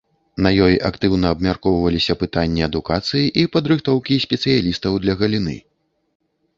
На ёй актыўна абмяркоўваліся пытанні адукацыі і падрыхтоўкі спецыялістаў для галіны.